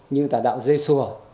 như tà đạo giê xu